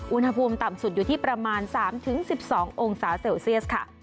อุณหภูมิต่ำสุดอยู่ที่ประมาณสามถึงสิบสององศาเซลเซียสค่ะ